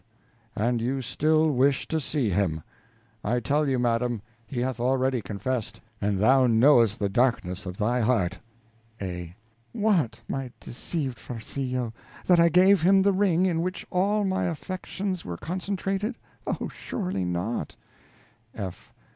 And you still wish to see him! I tell you, madam, he hath already confessed, and thou knowest the darkness of thy heart. A. What, my deceived Farcillo, that I gave him the ring, in which all my affections were concentrated? Oh, surely not. F.